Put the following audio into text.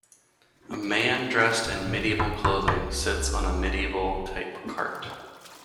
A man dressed in medieval clothing sits on a medieval type cart.